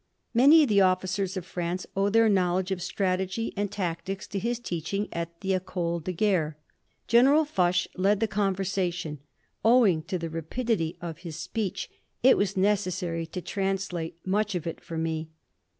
Many of the officers of France owe their knowledge of strategy and tactics to his teaching at the École de Guerre. General Foch led the conversation. Owing to the rapidity of his speech, it was necessary to translate much of it for me.